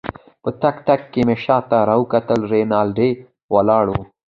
په تګ تګ کې مې شاته راوکتل، رینالډي ولاړ وو.